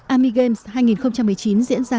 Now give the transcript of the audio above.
army games hai nghìn một mươi chín diễn ra